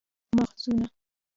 ماخذونه: